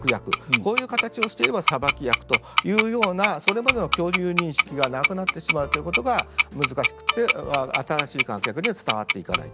こういう形をしていれば裁き役というようなそれまでの共有認識がなくなってしまうということが難しくって新しい観客に伝わっていかないということだったと思います。